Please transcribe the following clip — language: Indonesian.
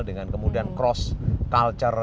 dengan kemudian cross culture